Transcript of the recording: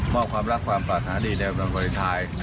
มอบความรักความปลาสาหดีในวันวาเลนไทย